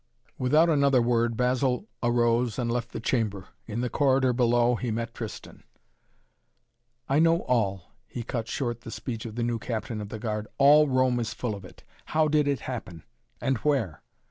Without another word Basil arose and left the chamber. In the corridor below he met Tristan. "I know all," he cut short the speech of the new captain of the guard. "All Rome is full of it. How did it happen? And where?"